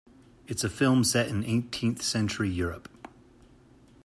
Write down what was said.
It's a film set in eighteenth century Europe.